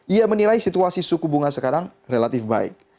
ia menilai situasi suku bunga sekarang relatif baik